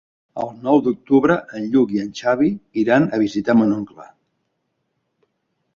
El nou d'octubre en Lluc i en Xavi iran a visitar mon oncle.